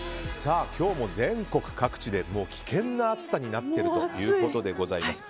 今日も全国各地で危険な暑さになっているということでございます。